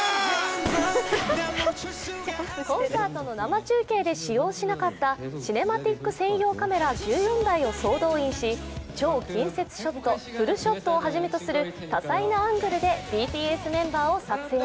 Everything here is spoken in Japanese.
コンサートの生中継で使用しなかったシネマティック専用カメラ１４台を総動員し超近接ショット、フルショットをはじめとする多彩なアングルでＢＴＳメンバーを撮影。